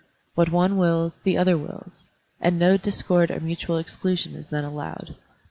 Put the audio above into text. What one wills, the other wills, and no discord or mutual exclusion is then allowed.